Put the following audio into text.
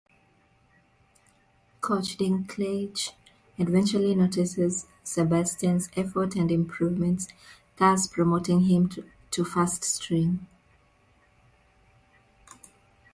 Coach Dinklage eventually notices "Sebastian's" effort and improvement, thus promoting him to first string.